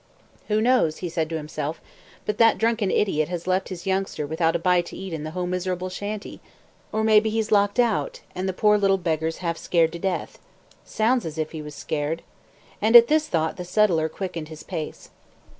"Who knows," he said to himself, "but that drunken idiot has left his youngster without a bite to eat in the whole miserable shanty? Or maybe he's locked out, and the poor little beggar's half scared to death. Sounds as if he was scared;" and at this thought the settler quickened his pace.